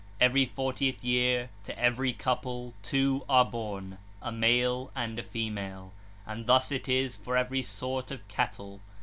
41 (33). 'Every fortieth year, to every couple two are born, a male and a female 4. And thus it is for every sort of cattle.